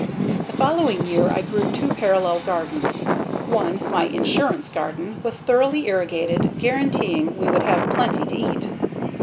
The following year I grew two parallel gardens. One, my "insurance garden," was thoroughly irrigated, guaranteeing we would have plenty to eat.